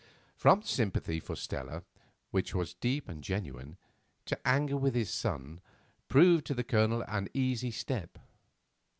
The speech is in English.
From sympathy for Stella, which was deep and genuine, to anger with his son proved to the Colonel an easy step.